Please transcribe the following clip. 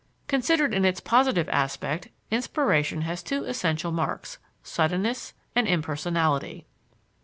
Considered in its positive aspect, inspiration has two essential marks suddenness and impersonality.